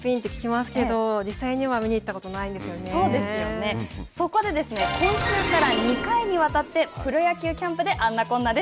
そこでですね、今週から２回にわたってプロ野球キャンプであんなこんなです。